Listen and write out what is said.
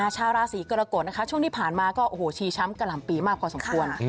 ชาวราศีกรกฎนะคะช่วงที่ผ่านมาก็โอ้โหชีช้ำกะหล่ำปีมากพอสมควร